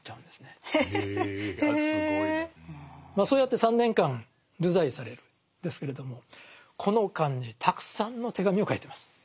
そうやって３年間流罪されるんですけれどもこの間にたくさんの手紙を書いてます。